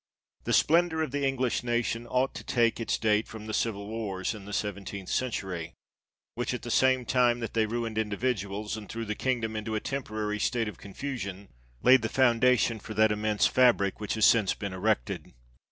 The splendor of the English nation ought to take its date from the civil wars in the seventeenth century, which at the same time that they ruined individuals, and threw the kingdom into a temporary state of con fusion, laid the foundation for that immense fabric which has since been erected.